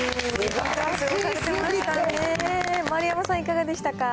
丸山さん、いかがでしたか？